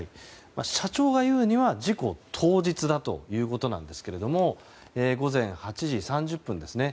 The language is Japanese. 社長が言うには事故当日だということですが午前８時３０分ですね。